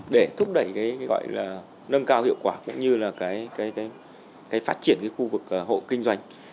để thúc đẩy nâng cao hiệu quả cũng như phát triển khu vực hộ kinh doanh